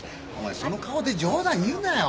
その顔で冗談言うなよ